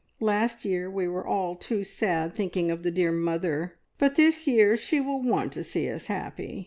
Last year we were all too sad thinking of the dear mother, but this year she will want to see us happy.